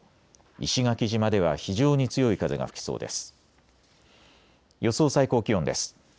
石垣島では非常に強い風が吹きそうです。